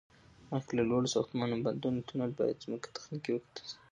مخکې له لوړو ساختمانو، بندونو، تونل، باید ځمکه تخنیکی وکتل شي